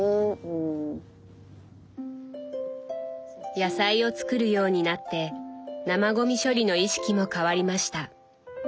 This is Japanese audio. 野菜を作るようになって生ごみ処理の意識も変わりました。